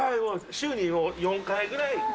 週に４回ぐらい。